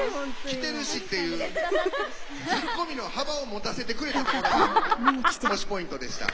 来てるし！っていうツッコミの幅を持たせてくれたところが推しポイントでした。